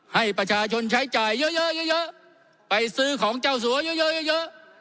ให้ประชาชนใช้จ่ายเยอะเยอะไปซื้อของเจ้าสัวเยอะเยอะ